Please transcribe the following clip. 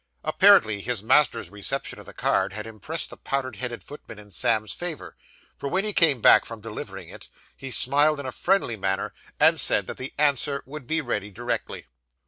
Apparently his master's reception of the card had impressed the powdered headed footman in Sam's favour, for when he came back from delivering it, he smiled in a friendly manner, and said that the answer would be ready directly.